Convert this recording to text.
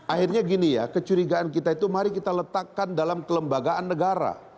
akhirnya gini ya kecurigaan kita itu mari kita letakkan dalam kelembagaan negara